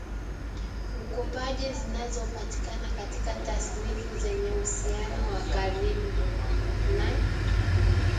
ukopaji zinazopatikana katika tasnifu zenye uhusiano wa karibu na